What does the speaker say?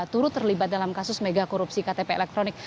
turut terlibat dalam kasus mega korupsi ktp elektronik